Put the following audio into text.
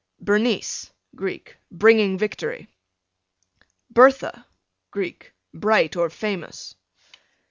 Bernice, Greek, bringing victory. Bertha, Greek, bright or famous.